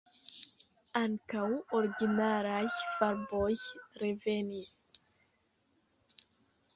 Ankaŭ originalaj farboj revenis.